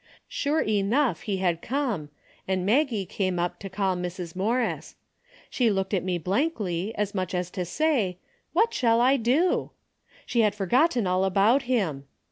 Sure enough, he had come, and Maggie came up to call Mrs. Morris. She looked at me blankly as much as to say : 'What shall I do?' She had forgotten all about him.